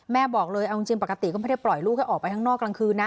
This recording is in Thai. บอกเลยเอาจริงปกติก็ไม่ได้ปล่อยลูกให้ออกไปข้างนอกกลางคืนนะ